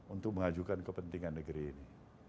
untuk mengajukan kepentingan negeri ini